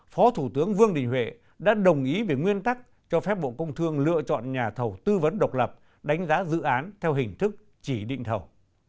phó thủ tướng vương đình huệ đã đồng ý về nguyên tắc cho phép bộ công thương lựa chọn nhà thầu tư vấn độc lập đánh giá dự án theo hình thức chỉ định thầu